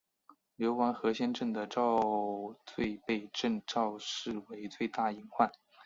流亡河仙镇的昭最被郑昭视为最大隐患。